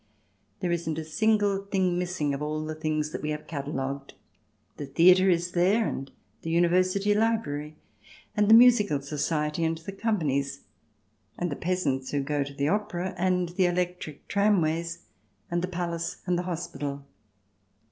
There isn't a single thing missing of all the things that we have catalogued. The theatre is here and the University library, and the musical society and the companies, and the peasants who go to the opera, and the electric tramways, and the palace and the hospital.